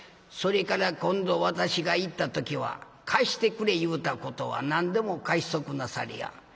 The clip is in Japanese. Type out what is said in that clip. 「それから今度私が行った時は貸してくれ言うたことは何でも貸しとくなされや」。